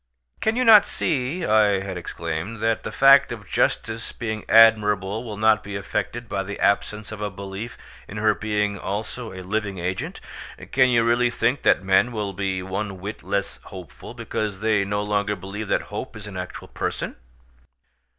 "Can you not see," I had exclaimed, "that the fact of justice being admirable will not be affected by the absence of a belief in her being also a living agent? Can you really think that men will be one whit less hopeful, because they no longer believe that hope is an actual person?"